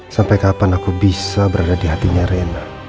sampai kapan aku bisa berada di hatinya rena